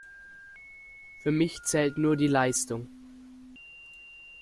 Für mich zählt nur die Leistung.